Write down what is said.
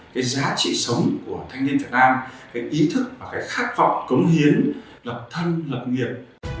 cái giá trị sống của thanh niên việt nam cái ý thức và cái khát vọng cống hiến lập thân lập nghiệp